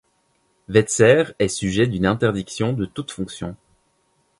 Wetzer est sujet d'une interdiction de toute fonction.